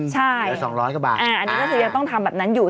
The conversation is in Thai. จ่ายส่วนที่เหลือด้วยตัวเองค่ะใช่อันนี้ก็จะต้องทำแบบนั้นอยู่